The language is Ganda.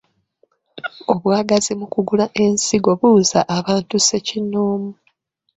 Obwagazi mu kugula ensigo buuza abantu ssekinnoomu.